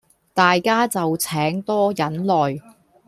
大家就請多忍耐